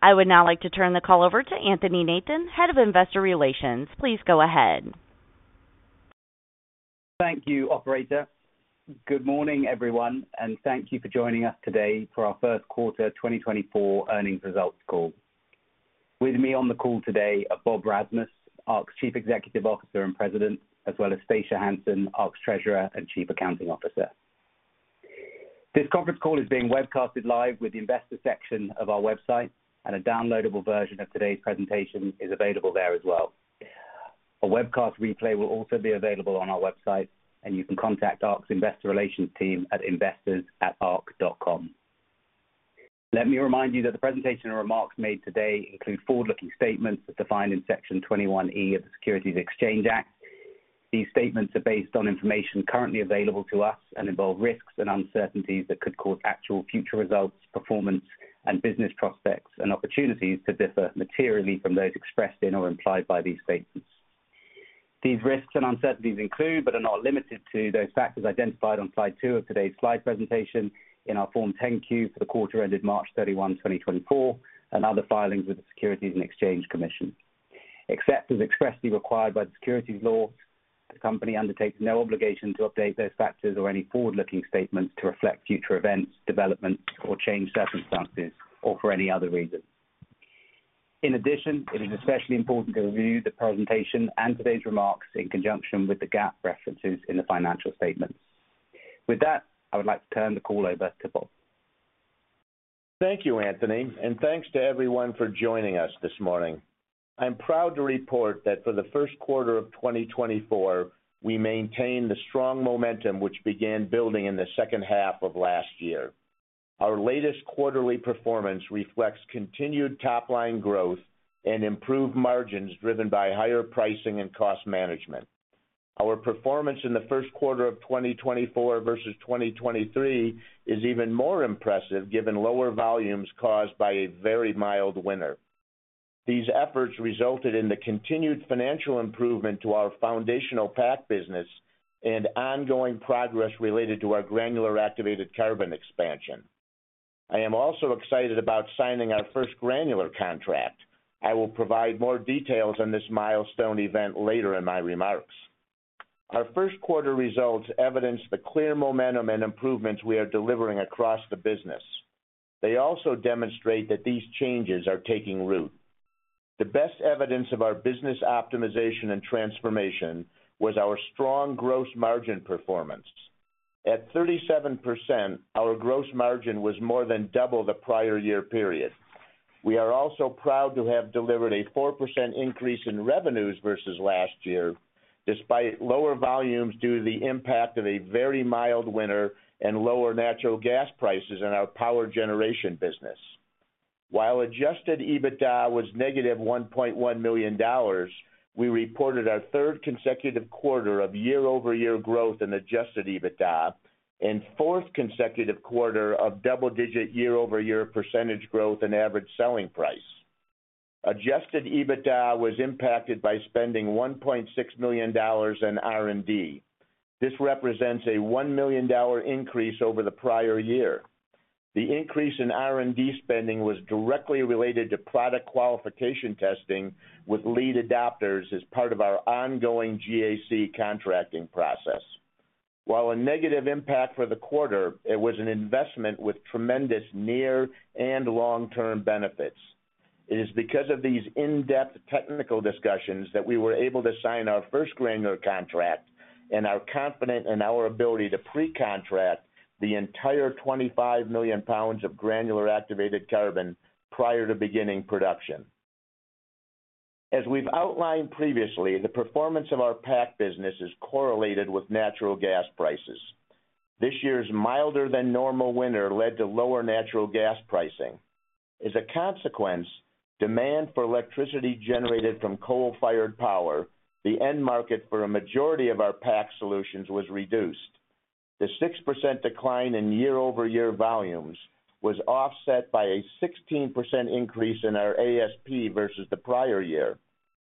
I would now like to turn the call over to Anthony Nathan, Head of Investor Relations. Please go ahead. Thank you, operator. Good morning, everyone, and thank you for joining us today for our first quarter 2024 earnings results call. With me on the call today are Bob Rasmus, Arq's Chief Executive Officer and President, as well as Stacia Hansen, Arq's Treasurer and Chief Accounting Officer. This conference call is being webcasted live with the investor section of our website, and a downloadable version of today's presentation is available there as well. A webcast replay will also be available on our website, and you can contact Arq's investor relations team at investors@arq.com. Let me remind you that the presentation and remarks made today include forward-looking statements as defined in Section 21E of the Securities Exchange Act. These statements are based on information currently available to us and involve risks and uncertainties that could cause actual future results, performance, and business prospects and opportunities to differ materially from those expressed in or implied by these statements. These risks and uncertainties include, but are not limited to, those factors identified on slide 2 of today's slide presentation in our Form 10-Q for the quarter ended March 31, 2024, and other filings with the Securities and Exchange Commission. Except as expressly required by the securities laws, the company undertakes no obligation to update those factors or any forward-looking statements to reflect future events, developments, or change circumstances, or for any other reason. In addition, it is especially important to review the presentation and today's remarks in conjunction with the GAAP references in the financial statements. With that, I would like to turn the call over to Bob. Thank you, Anthony, and thanks to everyone for joining us this morning. I'm proud to report that for the first quarter of 2024, we maintain the strong momentum which began building in the second half of last year. Our latest quarterly performance reflects continued top-line growth and improved margins driven by higher pricing and cost management. Our performance in the first quarter of 2024 versus 2023 is even more impressive given lower volumes caused by a very mild winter. These efforts resulted in the continued financial improvement to our foundational PAC business and ongoing progress related to our granular activated carbon expansion. I am also excited about signing our first granular contract. I will provide more details on this milestone event later in my remarks. Our first quarter results evidence the clear momentum and improvements we are delivering across the business. They also demonstrate that these changes are taking root. The best evidence of our business optimization and transformation was our strong gross margin performance. At 37%, our gross margin was more than double the prior year period. We are also proud to have delivered a 4% increase in revenues versus last year, despite lower volumes due to the impact of a very mild winter and lower natural gas prices in our power generation business. While adjusted EBITDA was -$1.1 million, we reported our third consecutive quarter of year-over-year growth in adjusted EBITDA and fourth consecutive quarter of double-digit year-over-year percentage growth in average selling price. Adjusted EBITDA was impacted by spending $1.6 million in R&D. This represents a $1 million increase over the prior year. The increase in R&D spending was directly related to product qualification testing with lead adopters as part of our ongoing GAC contracting process. While a negative impact for the quarter, it was an investment with tremendous near- and long-term benefits. It is because of these in-depth technical discussions that we were able to sign our first granular contract and are confident in our ability to pre-contract the entire 25 million pounds of granular activated carbon prior to beginning production. As we've outlined previously, the performance of our PAC business is correlated with natural gas prices. This year's milder-than-normal winter led to lower natural gas pricing. As a consequence, demand for electricity generated from coal-fired power, the end market for a majority of our PAC solutions, was reduced. The 6% decline in year-over-year volumes was offset by a 16% increase in our ASP versus the prior year.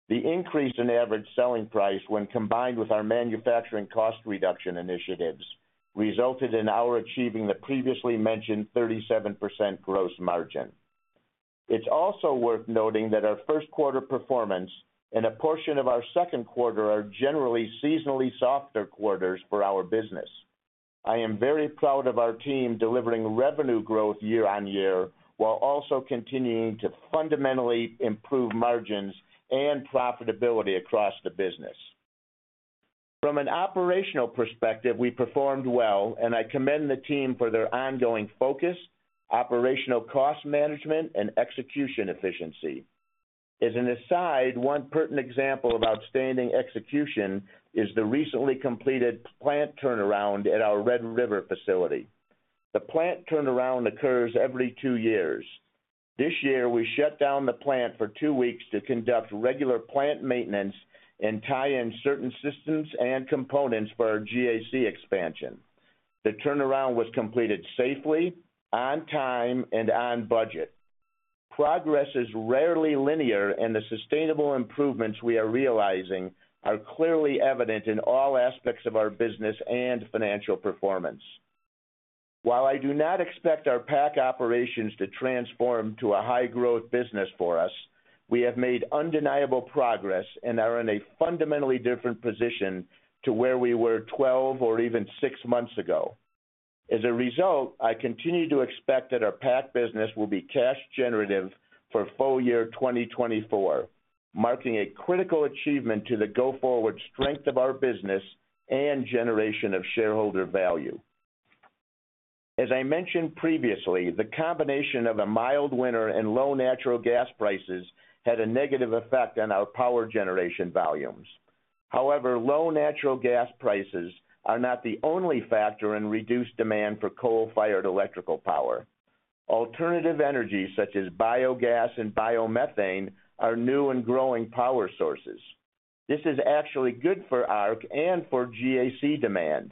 The increase in average selling price, when combined with our manufacturing cost reduction initiatives, resulted in our achieving the previously mentioned 37% gross margin. It's also worth noting that our first quarter performance and a portion of our second quarter are generally seasonally softer quarters for our business. I am very proud of our team delivering revenue growth year-on-year while also continuing to fundamentally improve margins and profitability across the business. From an operational perspective, we performed well, and I commend the team for their ongoing focus, operational cost management, and execution efficiency. As an aside, one pertinent example of outstanding execution is the recently completed plant turnaround at our Red River facility. The plant turnaround occurs every 2 years. This year, we shut down the plant for 2 weeks to conduct regular plant maintenance and tie in certain systems and components for our GAC expansion. The turnaround was completed safely, on time, and on budget. Progress is rarely linear, and the sustainable improvements we are realizing are clearly evident in all aspects of our business and financial performance. While I do not expect our PAC operations to transform to a high-growth business for us, we have made undeniable progress and are in a fundamentally different position to where we were 12 months or even 6 months ago. As a result, I continue to expect that our PAC business will be cash-generative for full year 2024, marking a critical achievement to the go-forward strength of our business and generation of shareholder value. As I mentioned previously, the combination of a mild winter and low natural gas prices had a negative effect on our power generation volumes. However, low natural gas prices are not the only factor in reduced demand for coal-fired electrical power. Alternative energies, such as biogas and biomethane, are new and growing power sources. This is actually good for Arq and for GAC demand.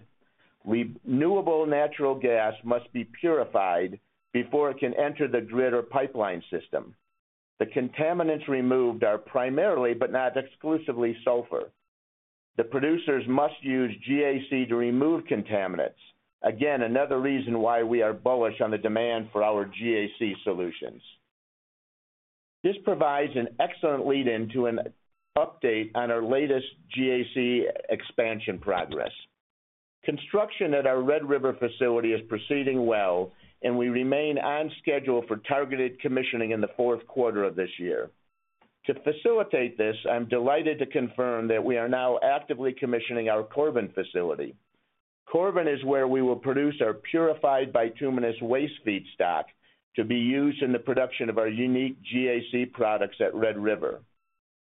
Renewable natural gas must be purified before it can enter the grid or pipeline system. The contaminants removed are primarily but not exclusively sulfur. The producers must use GAC to remove contaminants, again another reason why we are bullish on the demand for our GAC solutions. This provides an excellent lead-in to an update on our latest GAC expansion progress. Construction at our Red River facility is proceeding well, and we remain on schedule for targeted commissioning in the fourth quarter of this year. To facilitate this, I'm delighted to confirm that we are now actively commissioning our Corbin facility. Corbin is where we will produce our purified bituminous waste feedstock to be used in the production of our unique GAC products at Red River.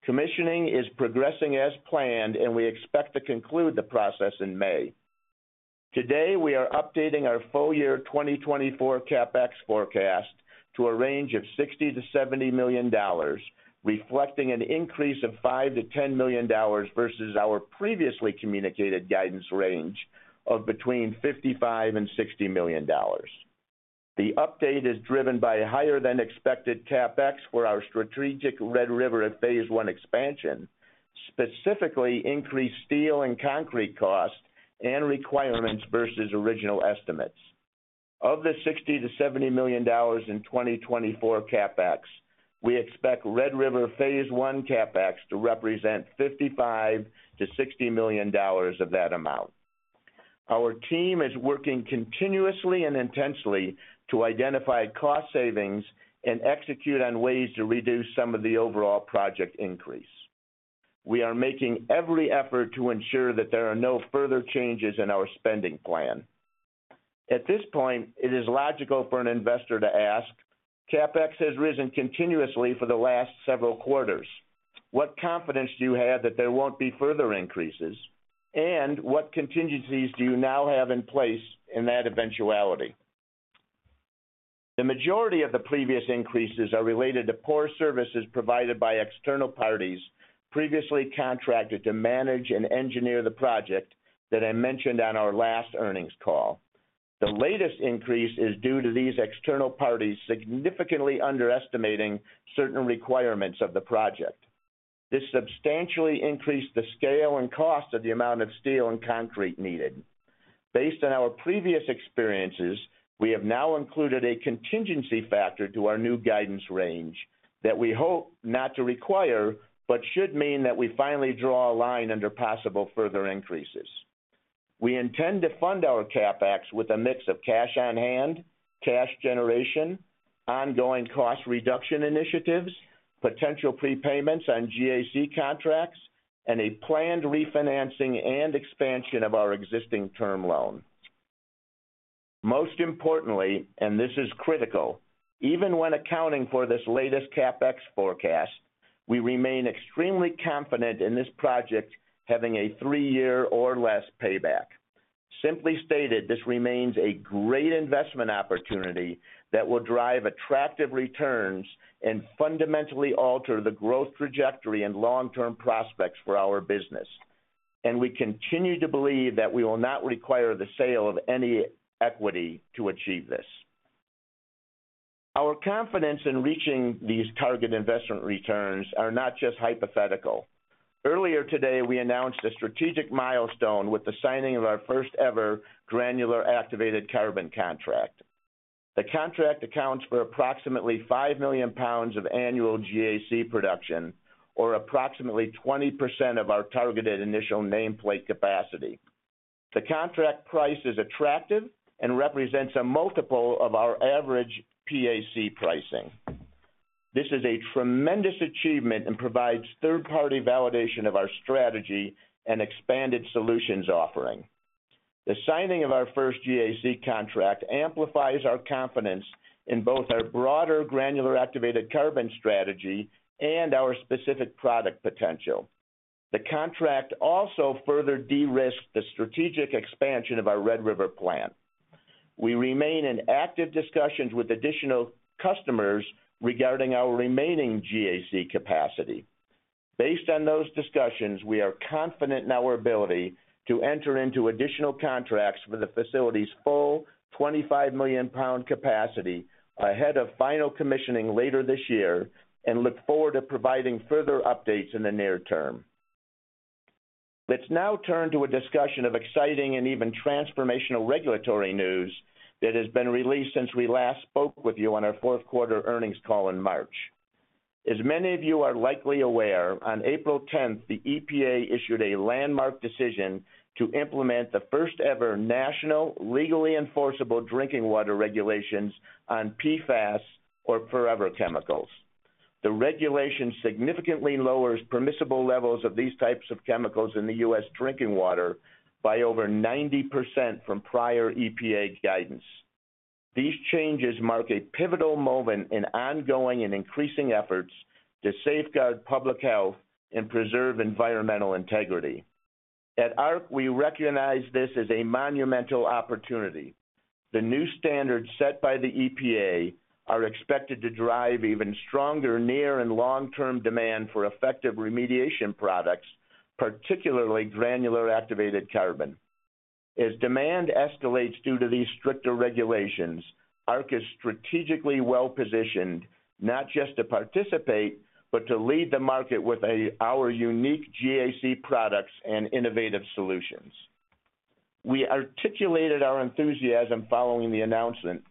Commissioning is progressing as planned, and we expect to conclude the process in May. Today, we are updating our full year 2024 CapEx forecast to a range of $60 million-$70 million, reflecting an increase of $5 million-$10 million versus our previously communicated guidance range of between $55 million and $60 million. The update is driven by higher-than-expected CapEx for our strategic Red River phase one expansion, specifically increased steel and concrete costs and requirements versus original estimates. Of the $60 million-$70 million in 2024 CapEx, we expect Red River phase one CapEx to represent $55 million-$60 million of that amount. Our team is working continuously and intensely to identify cost savings and execute on ways to reduce some of the overall project increase. We are making every effort to ensure that there are no further changes in our spending plan. At this point, it is logical for an investor to ask, "CapEx has risen continuously for the last several quarters. What confidence do you have that there won't be further increases, and what contingencies do you now have in place in that eventuality?" The majority of the previous increases are related to poor services provided by external parties previously contracted to manage and engineer the project that I mentioned on our last earnings call. The latest increase is due to these external parties significantly underestimating certain requirements of the project. This substantially increased the scale and cost of the amount of steel and concrete needed. Based on our previous experiences, we have now included a contingency factor to our new guidance range that we hope not to require but should mean that we finally draw a line under possible further increases. We intend to fund our CapEx with a mix of cash on hand, cash generation, ongoing cost reduction initiatives, potential prepayments on GAC contracts, and a planned refinancing and expansion of our existing term loan. Most importantly, and this is critical, even when accounting for this latest CapEx forecast, we remain extremely confident in this project having a three-year or less payback. Simply stated, this remains a great investment opportunity that will drive attractive returns and fundamentally alter the growth trajectory and long-term prospects for our business, and we continue to believe that we will not require the sale of any equity to achieve this. Our confidence in reaching these target investment returns is not just hypothetical. Earlier today, we announced a strategic milestone with the signing of our first-ever granular activated carbon contract. The contract accounts for approximately 5 million pounds of annual GAC production, or approximately 20% of our targeted initial nameplate capacity. The contract price is attractive and represents a multiple of our average PAC pricing. This is a tremendous achievement and provides third-party validation of our strategy and expanded solutions offering. The signing of our first GAC contract amplifies our confidence in both our broader granular activated carbon strategy and our specific product potential. The contract also further de-risked the strategic expansion of our Red River plant. We remain in active discussions with additional customers regarding our remaining GAC capacity. Based on those discussions, we are confident in our ability to enter into additional contracts for the facility's full 25 million pound capacity ahead of final commissioning later this year and look forward to providing further updates in the near term. Let's now turn to a discussion of exciting and even transformational regulatory news that has been released since we last spoke with you on our fourth quarter earnings call in March. As many of you are likely aware, on April 10th, the EPA issued a landmark decision to implement the first-ever national legally enforceable drinking water regulations on PFAS or forever chemicals. The regulation significantly lowers permissible levels of these types of chemicals in the U.S. drinking water by over 90% from prior EPA guidance. These changes mark a pivotal moment in ongoing and increasing efforts to safeguard public health and preserve environmental integrity. At Arq, we recognize this as a monumental opportunity. The new standards set by the EPA are expected to drive even stronger near- and long-term demand for effective remediation products, particularly granular activated carbon. As demand escalates due to these stricter regulations, Arq is strategically well-positioned not just to participate but to lead the market with our unique GAC products and innovative solutions. We articulated our enthusiasm following the announcement,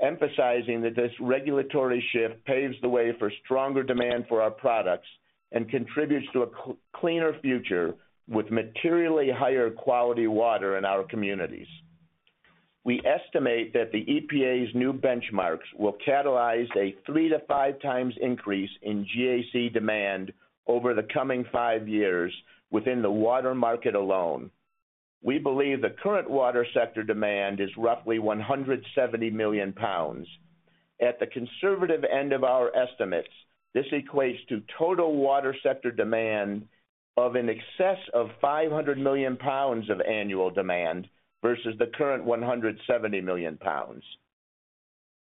emphasizing that this regulatory shift paves the way for stronger demand for our products and contributes to a cleaner future with materially higher quality water in our communities. We estimate that the EPA's new benchmarks will catalyze a 3x-5x increase in GAC demand over the coming 5 years within the water market alone. We believe the current water sector demand is roughly 170 million pounds. At the conservative end of our estimates, this equates to total water sector demand of an excess of 500 million pounds of annual demand versus the current 170 million pounds.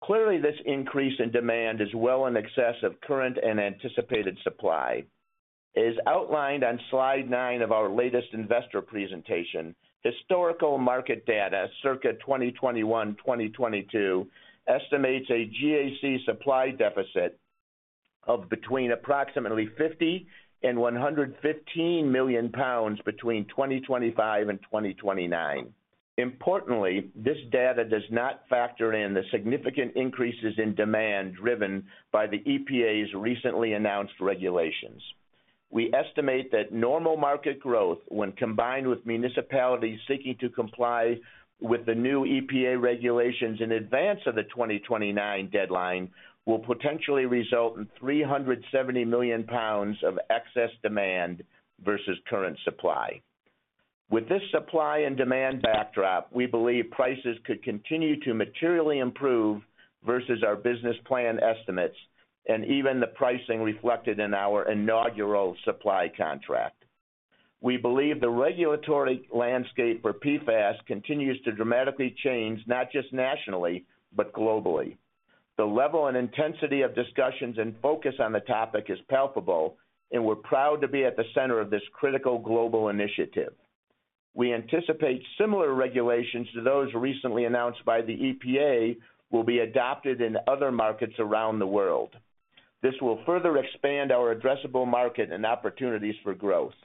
Clearly, this increase in demand is well in excess of current and anticipated supply. As outlined on slide 9 of our latest investor presentation, historical market data, circa 2021-2022, estimates a GAC supply deficit of between approximately 50 million and 115 million pounds between 2025 and 2029. Importantly, this data does not factor in the significant increases in demand driven by the EPA's recently announced regulations. We estimate that normal market growth, when combined with municipalities seeking to comply with the new EPA regulations in advance of the 2029 deadline, will potentially result in 370 million pounds of excess demand versus current supply. With this supply and demand backdrop, we believe prices could continue to materially improve versus our business plan estimates and even the pricing reflected in our inaugural supply contract. We believe the regulatory landscape for PFAS continues to dramatically change not just nationally but globally. The level and intensity of discussions and focus on the topic is palpable, and we're proud to be at the center of this critical global initiative. We anticipate similar regulations to those recently announced by the EPA will be adopted in other markets around the world. This will further expand our addressable market and opportunities for growth.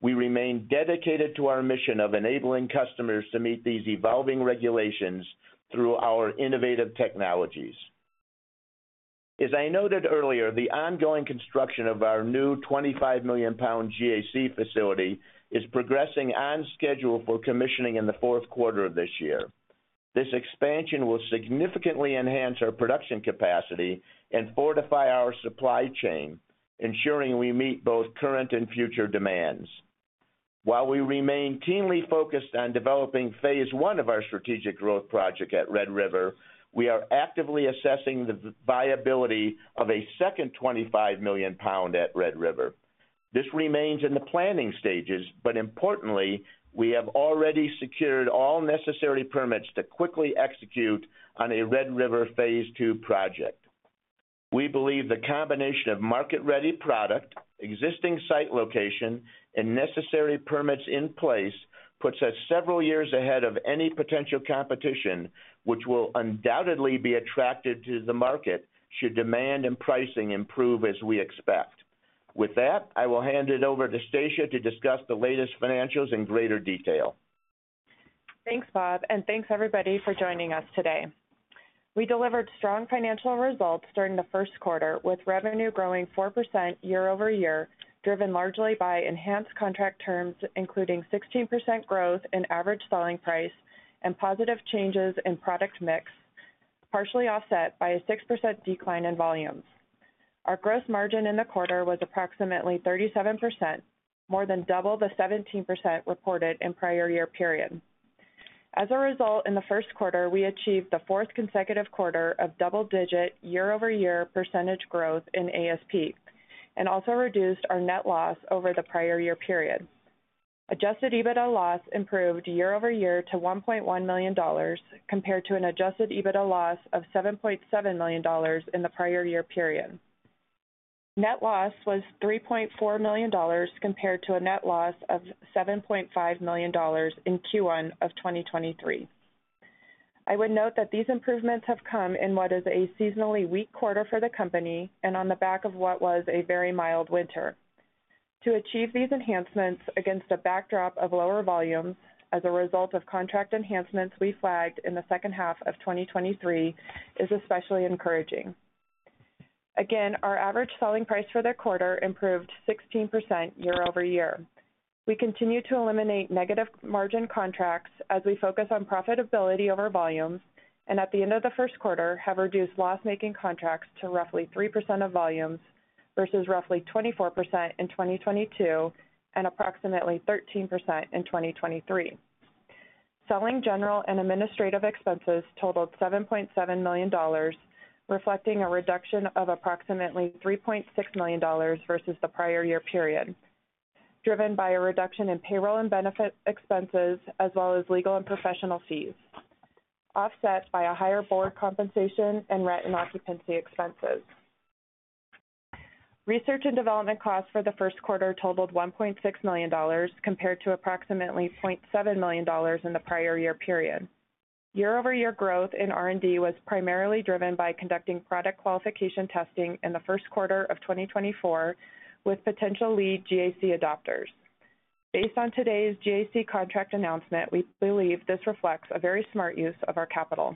We remain dedicated to our mission of enabling customers to meet these evolving regulations through our innovative technologies. As I noted earlier, the ongoing construction of our new 25 million pound GAC facility is progressing on schedule for commissioning in the fourth quarter of this year. This expansion will significantly enhance our production capacity and fortify our supply chain, ensuring we meet both current and future demands. While we remain keenly focused on developing phase one of our strategic growth project at Red River, we are actively assessing the viability of a second $25 million at Red River. This remains in the planning stages, but importantly, we have already secured all necessary permits to quickly execute on a Red River phase two project. We believe the combination of market-ready product, existing site location, and necessary permits in place puts us several years ahead of any potential competition, which will undoubtedly be attractive to the market should demand and pricing improve as we expect. With that, I will hand it over to Stacia to discuss the latest financials in greater detail. Thanks, Bob, and thanks, everybody, for joining us today. We delivered strong financial results during the first quarter, with revenue growing 4% year-over-year, driven largely by enhanced contract terms including 16% growth in average selling price and positive changes in product mix, partially offset by a 6% decline in volumes. Our gross margin in the quarter was approximately 37%, more than double the 17% reported in prior year period. As a result, in the first quarter, we achieved the fourth consecutive quarter of double-digit year-over-year percentage growth in ASP and also reduced our net loss over the prior year period. Adjusted EBITDA loss improved year-over-year to $1.1 million compared to an adjusted EBITDA loss of $7.7 million in the prior year period. Net loss was $3.4 million compared to a net loss of $7.5 million in Q1 of 2023. I would note that these improvements have come in what is a seasonally weak quarter for the company and on the back of what was a very mild winter. To achieve these enhancements against a backdrop of lower volumes as a result of contract enhancements we flagged in the second half of 2023 is especially encouraging. Again, our average selling price for the quarter improved 16% year-over-year. We continue to eliminate negative margin contracts as we focus on profitability over volumes and, at the end of the first quarter, have reduced loss-making contracts to roughly 3% of volumes versus roughly 24% in 2022 and approximately 13% in 2023. Selling, general, and administrative expenses totaled $7.7 million, reflecting a reduction of approximately $3.6 million versus the prior year period, driven by a reduction in payroll and benefit expenses as well as legal and professional fees, offset by a higher board compensation and rent and occupancy expenses. Research and development costs for the first quarter totaled $1.6 million compared to approximately $0.7 million in the prior year period. Year-over-year growth in R&D was primarily driven by conducting product qualification testing in the first quarter of 2024 with potential lead GAC adopters. Based on today's GAC contract announcement, we believe this reflects a very smart use of our capital.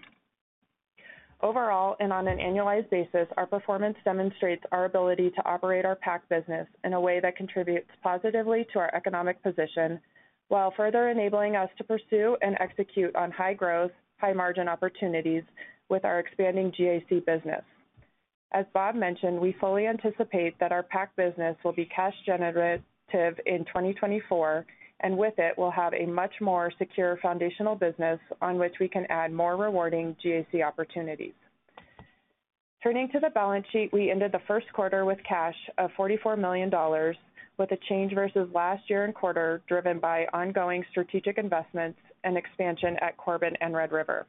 Overall, and on an annualized basis, our performance demonstrates our ability to operate our PAC business in a way that contributes positively to our economic position while further enabling us to pursue and execute on high-growth, high-margin opportunities with our expanding GAC business. As Bob mentioned, we fully anticipate that our PAC business will be cash-generative in 2024, and with it, we'll have a much more secure foundational business on which we can add more rewarding GAC opportunities. Turning to the balance sheet, we ended the first quarter with cash of $44 million with a change versus last year and quarter driven by ongoing strategic investments and expansion at Corbin and Red River.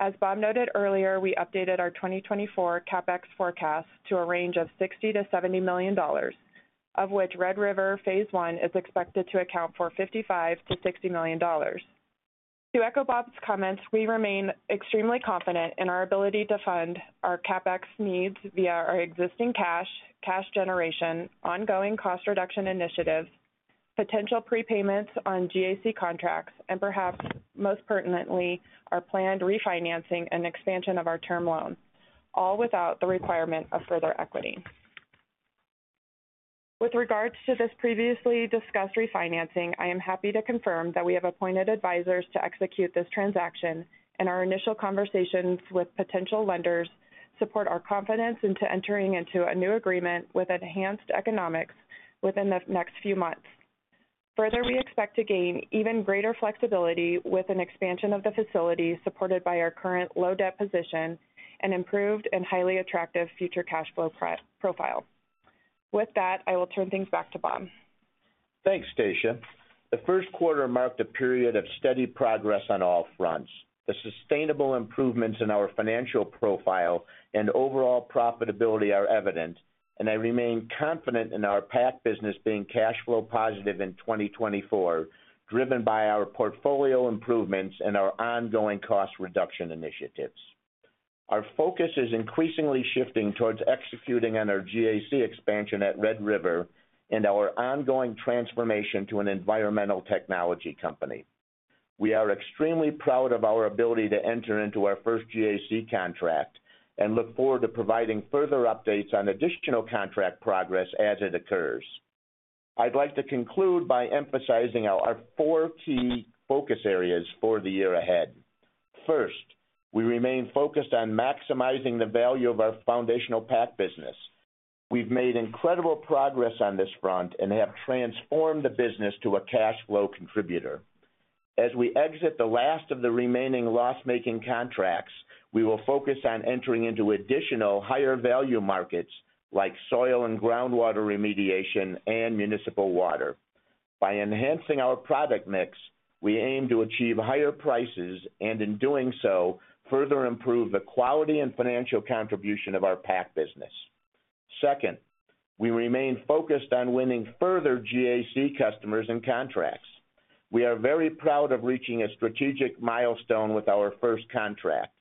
As Bob noted earlier, we updated our 2024 CapEx forecast to a range of $60 million-$70 million, of which Red River phase one is expected to account for $55 million-$60 million. To echo Bob's comments, we remain extremely confident in our ability to fund our CapEx needs via our existing cash, cash generation, ongoing cost-reduction initiatives, potential prepayments on GAC contracts, and perhaps most pertinently, our planned refinancing and expansion of our term loan, all without the requirement of further equity. With regards to this previously discussed refinancing, I am happy to confirm that we have appointed advisors to execute this transaction, and our initial conversations with potential lenders support our confidence into entering into a new agreement with enhanced economics within the next few months. Further, we expect to gain even greater flexibility with an expansion of the facility supported by our current low-debt position and improved and highly attractive future cash flow profile. With that, I will turn things back to Bob. Thanks, Stacia. The first quarter marked a period of steady progress on all fronts. The sustainable improvements in our financial profile and overall profitability are evident, and I remain confident in our PAC business being cash flow positive in 2024, driven by our portfolio improvements and our ongoing cost-reduction initiatives. Our focus is increasingly shifting towards executing on our GAC expansion at Red River and our ongoing transformation to an environmental technology company. We are extremely proud of our ability to enter into our first GAC contract and look forward to providing further updates on additional contract progress as it occurs. I'd like to conclude by emphasizing our four key focus areas for the year ahead. First, we remain focused on maximizing the value of our foundational PAC business. We've made incredible progress on this front and have transformed the business to a cash flow contributor. As we exit the last of the remaining loss-making contracts, we will focus on entering into additional higher-value markets like soil and groundwater remediation and municipal water. By enhancing our product mix, we aim to achieve higher prices and, in doing so, further improve the quality and financial contribution of our PAC business. Second, we remain focused on winning further GAC customers and contracts. We are very proud of reaching a strategic milestone with our first contract.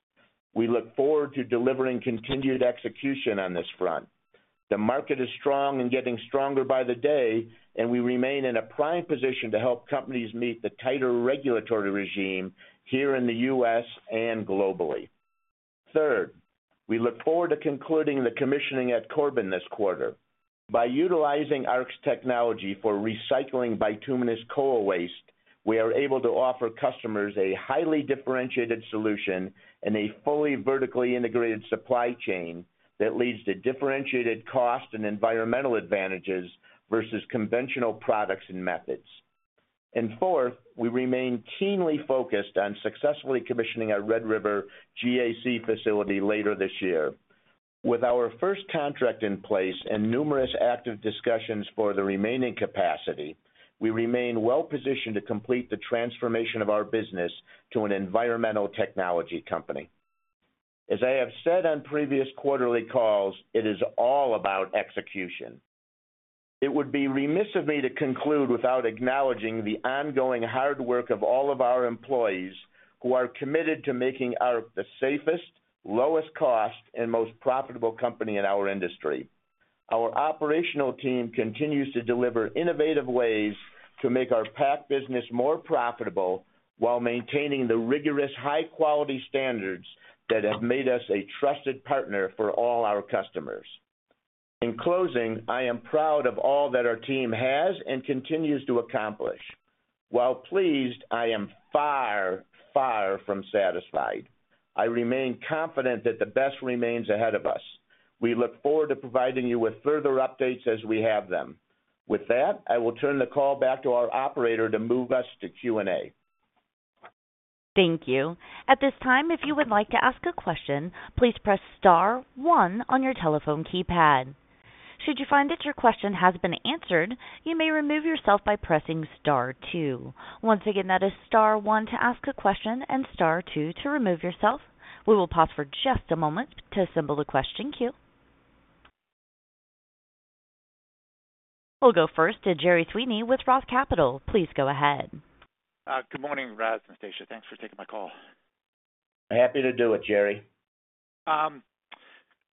We look forward to delivering continued execution on this front. The market is strong and getting stronger by the day, and we remain in a prime position to help companies meet the tighter regulatory regime here in the U.S. and globally. Third, we look forward to concluding the commissioning at Corbin this quarter. By utilizing Arq's technology for recycling bituminous coal waste, we are able to offer customers a highly differentiated solution and a fully vertically integrated supply chain that leads to differentiated cost and environmental advantages versus conventional products and methods. And fourth, we remain keenly focused on successfully commissioning our Red River GAC facility later this year. With our first contract in place and numerous active discussions for the remaining capacity, we remain well-positioned to complete the transformation of our business to an environmental technology company. As I have said on previous quarterly calls, it is all about execution. It would be remiss of me to conclude without acknowledging the ongoing hard work of all of our employees who are committed to making Arq the safest, lowest cost, and most profitable company in our industry. Our operational team continues to deliver innovative ways to make our PAC business more profitable while maintaining the rigorous, high-quality standards that have made us a trusted partner for all our customers. In closing, I am proud of all that our team has and continues to accomplish. While pleased, I am far, far from satisfied. I remain confident that the best remains ahead of us. We look forward to providing you with further updates as we have them. With that, I will turn the call back to our operator to move us to Q&A. Thank you. At this time, if you would like to ask a question, please press star one on your telephone keypad. Should you find that your question has been answered, you may remove yourself by pressing star two. Once again, that is star one to ask a question and star two to remove yourself. We will pause for just a moment to assemble the question queue. We'll go first to Gerry Sweeney with Roth Capital. Please go ahead. Good morning, Raz, and Stacia. Thanks for taking my call. Happy to do it, Gerry.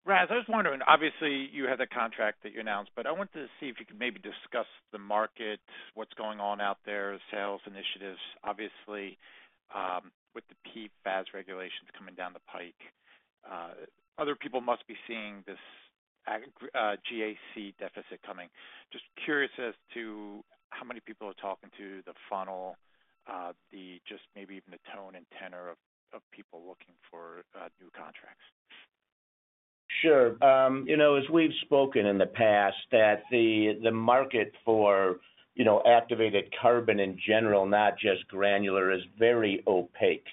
Raz, I was wondering, obviously, you had the contract that you announced, but I wanted to see if you could maybe discuss the market, what's going on out there, sales initiatives, obviously, with the PFAS regulations coming down the pike. Other people must be seeing this GAC deficit coming. Just curious as to how many people are talking to, the funnel, just maybe even the tone and tenor of people looking for new contracts? Sure. As we've spoken in the past, the market for activated carbon in general, not just granular, is very opaque.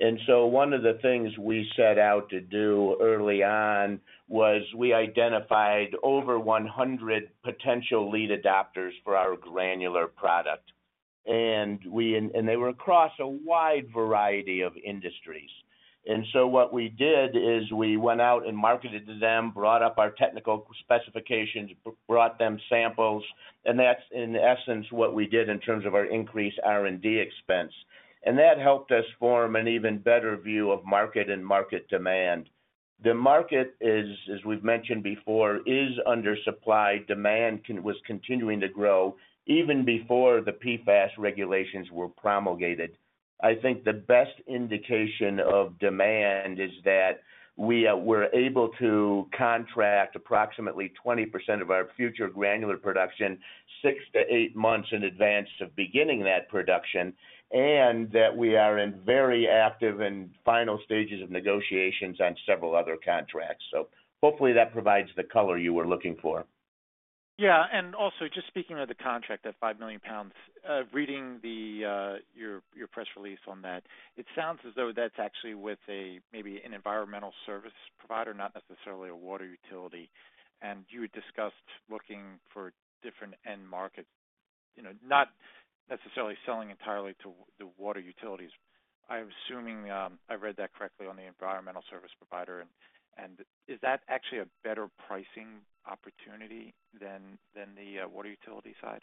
And so one of the things we set out to do early on was we identified over 100 potential lead adopters for our granular product, and they were across a wide variety of industries. And so what we did is we went out and marketed to them, brought up our technical specifications, brought them samples, and that's, in essence, what we did in terms of our increased R&D expense. And that helped us form an even better view of market and market demand. The market, as we've mentioned before, is under supply. Demand was continuing to grow even before the PFAS regulations were promulgated. I think the best indication of demand is that we were able to contract approximately 20% of our future granular production 6-8 months in advance of beginning that production and that we are in very active and final stages of negotiations on several other contracts. So hopefully, that provides the color you were looking for. Yeah. And also, just speaking of the contract at 5 million pounds, reading your press release on that, it sounds as though that's actually with maybe an environmental service provider, not necessarily a water utility. And you had discussed looking for different end markets, not necessarily selling entirely to the water utilities. I'm assuming I read that correctly on the environmental service provider. And is that actually a better pricing opportunity than the water utility side?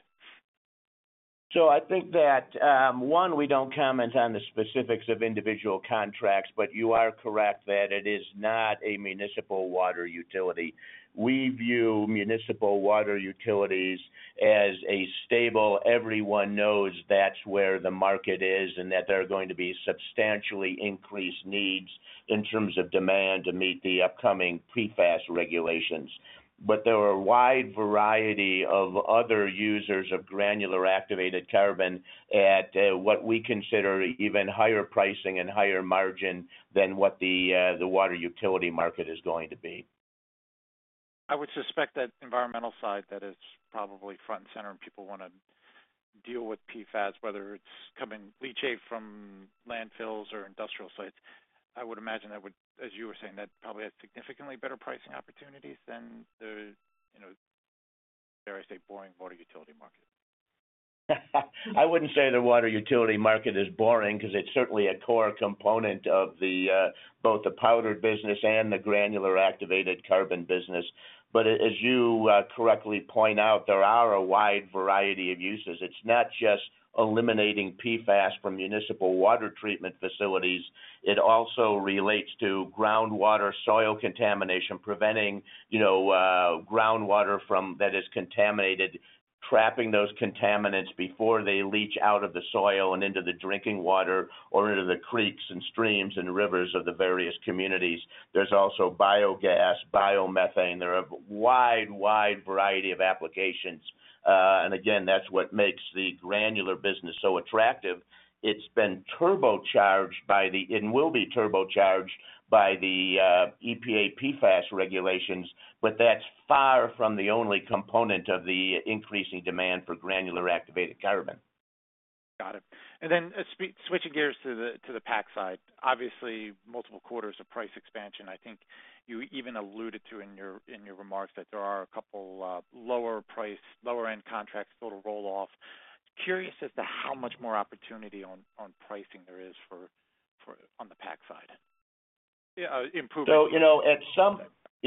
So I think that, one, we don't comment on the specifics of individual contracts, but you are correct that it is not a municipal water utility. We view municipal water utilities as a stable everyone knows that's where the market is and that there are going to be substantially increased needs in terms of demand to meet the upcoming PFAS regulations. But there are a wide variety of other users of granular activated carbon at what we consider even higher pricing and higher margin than what the water utility market is going to be. I would suspect that environmental side, that is probably front and center, and people want to deal with PFAS, whether it's coming leachate from landfills or industrial sites. I would imagine that would, as you were saying, that probably has significantly better pricing opportunities than the, dare I say, boring water utility market. I wouldn't say the water utility market is boring because it's certainly a core component of both the powdered business and the granular activated carbon business. But as you correctly point out, there are a wide variety of uses. It's not just eliminating PFAS from municipal water treatment facilities. It also relates to groundwater soil contamination, preventing groundwater that is contaminated, trapping those contaminants before they leach out of the soil and into the drinking water or into the creeks and streams and rivers of the various communities. There's also biogas, biomethane. There are a wide, wide variety of applications. And again, that's what makes the granular business so attractive. It's been turbocharged by the EPA and will be turbocharged by the EPA PFAS regulations, but that's far from the only component of the increasing demand for granular activated carbon. Got it. And then switching gears to the PAC side, obviously, multiple quarters of price expansion. I think you even alluded to in your remarks that there are a couple lower-end contracts total roll-off. Curious as to how much more opportunity on pricing there is on the PAC side, improvement.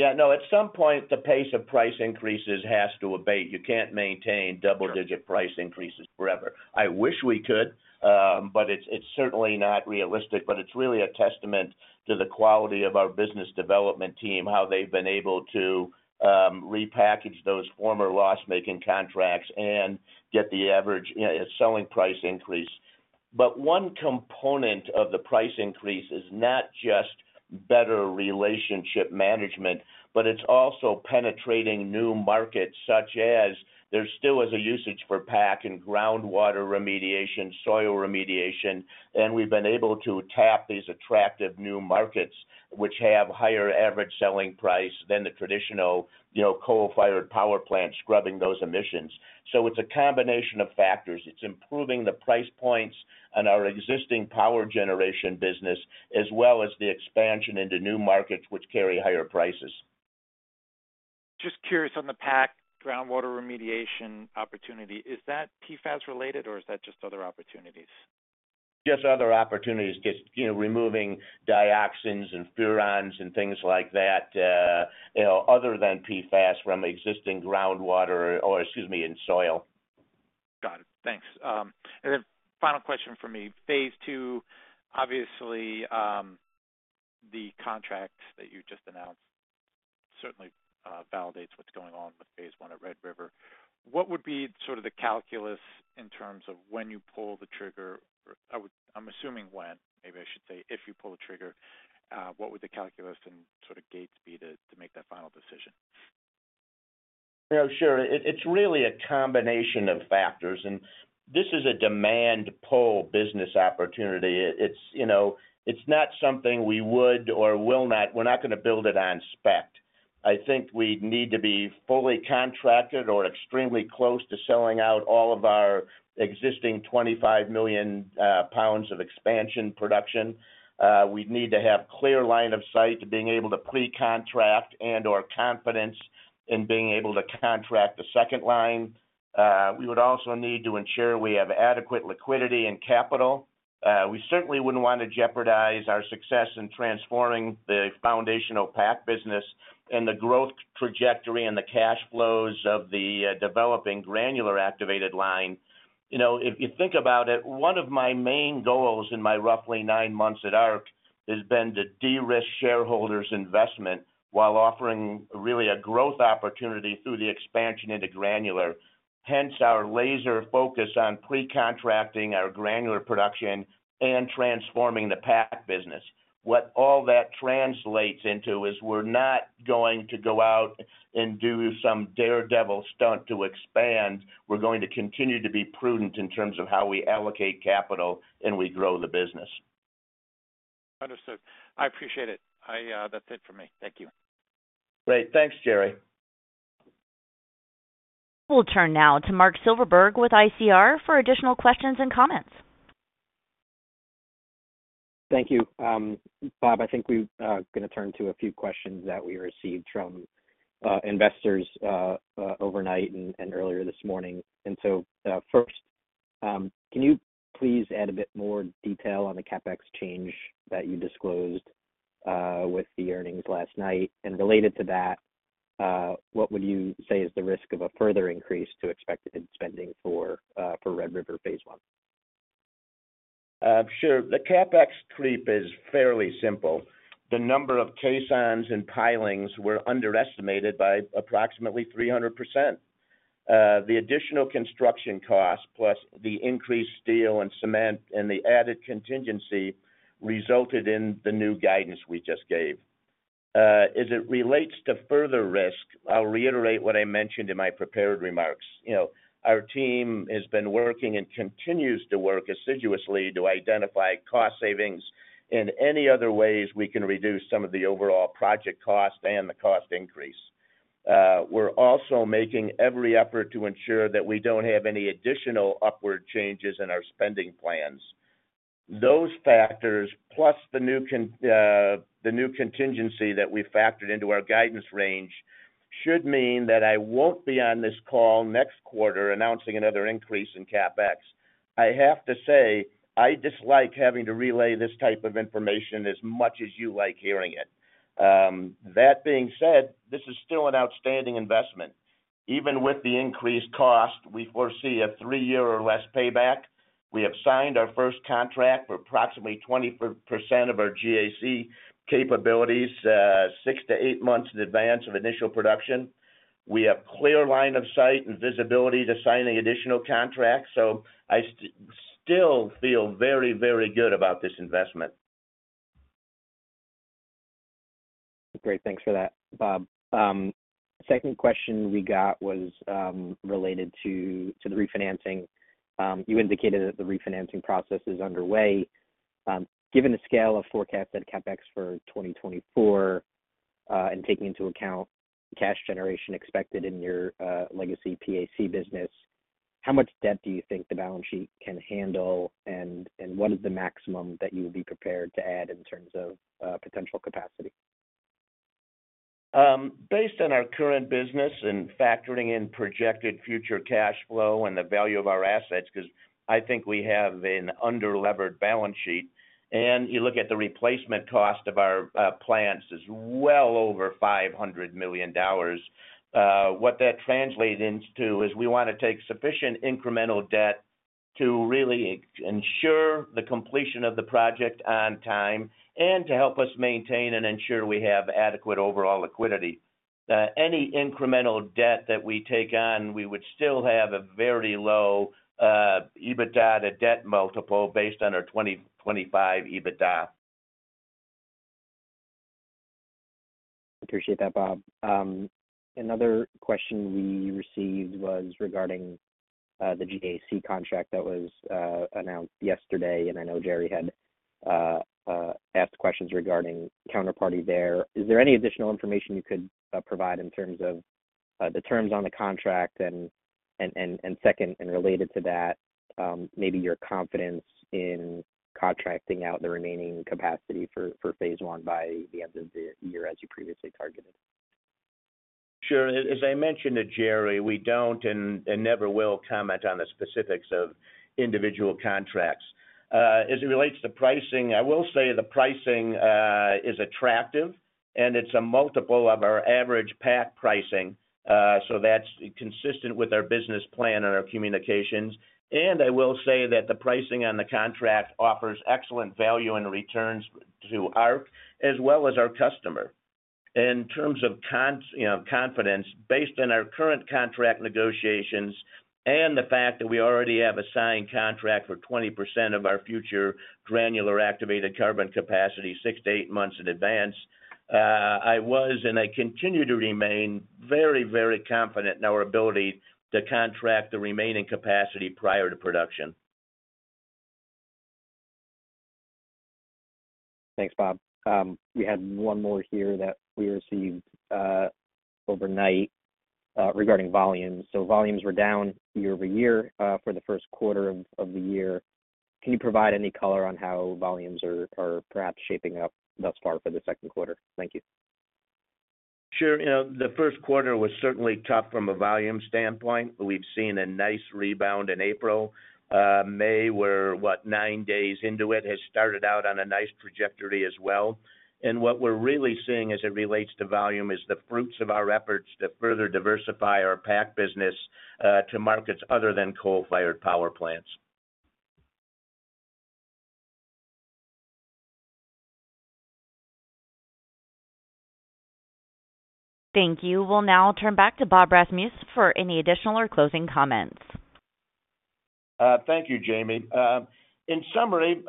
So at some point, the pace of price increases has to abate. You can't maintain double-digit price increases forever. I wish we could, but it's certainly not realistic. But it's really a testament to the quality of our business development team, how they've been able to repackage those former loss-making contracts and get the average selling price increase. But one component of the price increase is not just better relationship management, but it's also penetrating new markets such as there still is a usage for PAC and groundwater remediation, soil remediation, and we've been able to tap these attractive new markets, which have higher average selling price than the traditional coal-fired power plant scrubbing those emissions. So it's a combination of factors. It's improving the price points on our existing power generation business as well as the expansion into new markets, which carry higher prices. Just curious on the PAC groundwater remediation opportunity, is that PFAS-related, or is that just other opportunities? Just other opportunities, removing dioxins and furans and things like that other than PFAS from existing groundwater or, excuse me, in soil. Got it. Thanks. And then final question for me. Phase two, obviously, the contracts that you just announced certainly validates what's going on with phase one at Red River. What would be sort of the calculus in terms of when you pull the trigger? I'm assuming when. Maybe I should say, if you pull the trigger, what would the calculus and sort of gates be to make that final decision? Sure. It's really a combination of factors. This is a demand-pull business opportunity. It's not something we would or will not. We're not going to build it on spec. I think we need to be fully contracted or extremely close to selling out all of our existing 25 million pounds of expansion production. We'd need to have clear line of sight to being able to pre-contract and/or confidence in being able to contract the second line. We would also need to ensure we have adequate liquidity and capital. We certainly wouldn't want to jeopardize our success in transforming the foundational PAC business and the growth trajectory and the cash flows of the developing granular activated line. If you think about it, one of my main goals in my roughly nine months at Arq has been to de-risk shareholders' investment while offering really a growth opportunity through the expansion into granular. Hence, our laser focus on pre-contracting our granular production and transforming the PAC business. What all that translates into is we're not going to go out and do some daredevil stunt to expand. We're going to continue to be prudent in terms of how we allocate capital and we grow the business. Understood. I appreciate it. That's it for me. Thank you. Great. Thanks, Gerry. We'll turn now to Marc Silverberg with ICR for additional questions and comments. Thank you, Bob. I think we're going to turn to a few questions that we received from investors overnight and earlier this morning. And so first, can you please add a bit more detail on the CapEx change that you disclosed with the earnings last night? And related to that, what would you say is the risk of a further increase to expected spending for Red River phase one? Sure. The CapEx creep is fairly simple. The number of caissons and pilings were underestimated by approximately 300%. The additional construction cost plus the increased steel and cement and the added contingency resulted in the new guidance we just gave. As it relates to further risk, I'll reiterate what I mentioned in my prepared remarks. Our team has been working and continues to work assiduously to identify cost savings in any other ways we can reduce some of the overall project cost and the cost increase. We're also making every effort to ensure that we don't have any additional upward changes in our spending plans. Those factors, plus the new contingency that we factored into our guidance range, should mean that I won't be on this call next quarter announcing another increase in CapEx. I have to say, I dislike having to relay this type of information as much as you like hearing it. That being said, this is still an outstanding investment. Even with the increased cost, we foresee a 3-year or less payback. We have signed our first contract for approximately 20% of our GAC capabilities, 6 months-8 months in advance of initial production. We have clear line of sight and visibility to signing additional contracts. So I still feel very, very good about this investment. Great. Thanks for that, Bob. Second question we got was related to the refinancing. You indicated that the refinancing process is underway. Given the scale of forecasted CapEx for 2024 and taking into account cash generation expected in your legacy PAC business, how much debt do you think the balance sheet can handle, and what is the maximum that you will be prepared to add in terms of potential capacity? Based on our current business and factoring in projected future cash flow and the value of our assets because I think we have an underlevered balance sheet, and you look at the replacement cost of our plants, it's well over $500 million. What that translates into is we want to take sufficient incremental debt to really ensure the completion of the project on time and to help us maintain and ensure we have adequate overall liquidity. Any incremental debt that we take on, we would still have a very low EBITDA to debt multiple based on our 2025 EBITDA. Appreciate that, Bob. Another question we received was regarding the GAC contract that was announced yesterday, and I know Gerry had asked questions regarding counterparty there. Is there any additional information you could provide in terms of the terms on the contract and second, and related to that, maybe your confidence in contracting out the remaining capacity for phase one by the end of the year as you previously targeted? Sure. As I mentioned to Gerry, we don't and never will comment on the specifics of individual contracts. As it relates to pricing, I will say the pricing is attractive, and it's a multiple of our average PAC pricing. So that's consistent with our business plan and our communications. And I will say that the pricing on the contract offers excellent value and returns to Arq as well as our customer. In terms of confidence, based on our current contract negotiations and the fact that we already have a signed contract for 20% of our future granular activated carbon capacity 6 months-8 months in advance, I was and I continue to remain very, very confident in our ability to contract the remaining capacity prior to production. Thanks, Bob. We had one more here that we received overnight regarding volumes. So volumes were down year-over-year for the first quarter of the year. Can you provide any color on how volumes are perhaps shaping up thus far for the second quarter? Thank you. Sure. The first quarter was certainly tough from a volume standpoint. We've seen a nice rebound in April. May were, what, 9 days into it, has started out on a nice trajectory as well. And what we're really seeing as it relates to volume is the fruits of our efforts to further diversify our PAC business to markets other than coal-fired power plants. Thank you. We'll now turn back to Bob Rasmus for any additional or closing comments. Thank you, Jamie. In summary,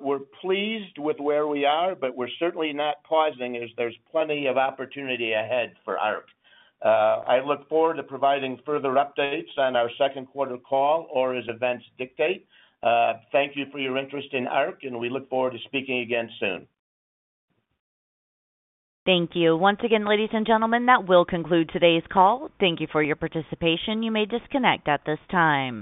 we're pleased with where we are, but we're certainly not pausing as there's plenty of opportunity ahead for Arq. I look forward to providing further updates on our second quarter call or as events dictate. Thank you for your interest in Arq, and we look forward to speaking again soon. Thank you. Once again, ladies and gentlemen, that will conclude today's call. Thank you for your participation. You may disconnect at this time.